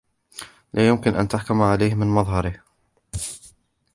لايمكن أن تحكم عليه من مظهره